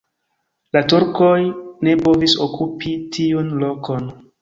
La turkoj ne povis okupi tiun lokon.